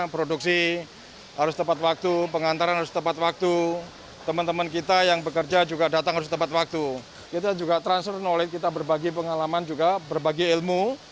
pon papua juga berbagi ilmu